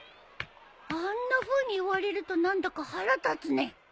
あんなふうに言われると何だか腹立つね。